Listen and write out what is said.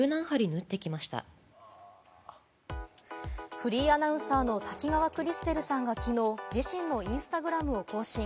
フリーアナウンサーの滝川クリステルさんが昨日、自身のインスタグラムを更新。